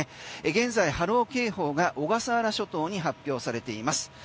現在、波浪警報が小笠原諸島に発表されています。